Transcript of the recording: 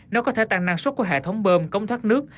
nếu có thể tăng năng suất của hệ thống bơm cống thoát nước